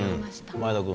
前田君。